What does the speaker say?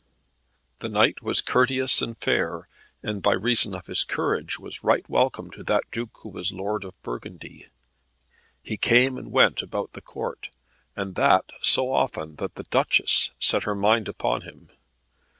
The knight was courteous and fair, and by reason of his courage was right welcome to that Duke who was lord of Burgundy. He came and went about the Court, and that so often that the Duchess set her mind upon him.